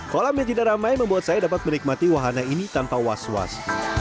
kolam yang tidak ramai membuat saya dapat menikmati wahana ini tanpa was was